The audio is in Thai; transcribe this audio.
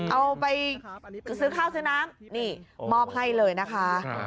เอาไปซื้อข้าวซื้อน้ำนี่มอบให้เลยนะคะ